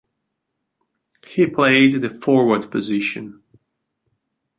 He played the forward position.